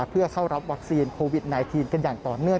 เพื่อเข้ารับวัคซีนโควิด๑๙กันอย่างต่อเนื่อง